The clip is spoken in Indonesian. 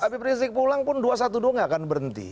habib rizik pulang pun dua ratus dua belas gak akan berhenti